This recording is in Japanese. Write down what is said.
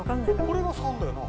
これが３だよな。